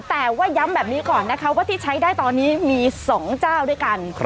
แต่ว่าย้ำแบบนี้ก่อนนะคะว่าที่ใช้ได้ตอนนี้มี๒เจ้าด้วยกัน